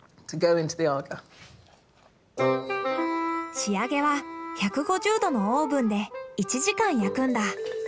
仕上げは１５０度のオーブンで１時間焼くんだ。